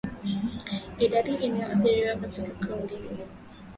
Idadi inayoathirika katika kundi